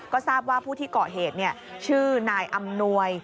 ก็ทราบว่าผู้ที่เกาะเหตุชื่อนายอำนวย